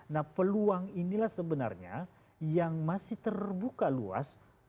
nah peluang inilah sebenarnya yang masih terbuka luas